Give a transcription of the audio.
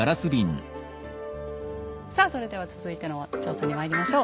さあそれでは続いての調査にまいりましょう。